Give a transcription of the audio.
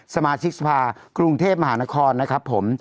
สมาชิกสภากรุงเทพมหานครนะครับผม